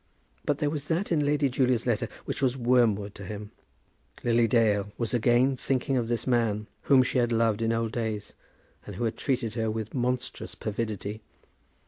But there was that in Lady Julia's letter which was wormwood to him. Lily Dale was again thinking of this man, whom she had loved in old days, and who had treated her with monstrous perfidy!